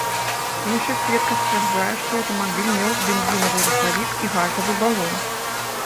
Іншы сведка сцвярджае, што аўтамабіль меў бензінавы рухавік і газавы балон.